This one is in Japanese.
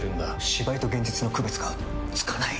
芝居と現実の区別がつかない！